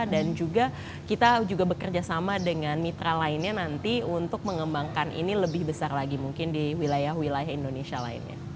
dan juga kita juga bekerja sama dengan mitra lainnya nanti untuk mengembangkan ini lebih besar lagi mungkin di wilayah wilayah indonesia lainnya